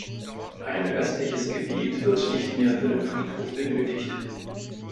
Ein östliches Gebiet wird nicht mehr für den Friedhof benötigt.